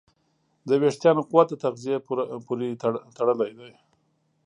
د وېښتیانو قوت د تغذیې پورې تړلی دی.